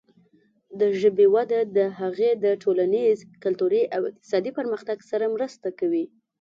د ژبې وده د هغې د ټولنیز، کلتوري او اقتصادي پرمختګ سره مرسته کوي.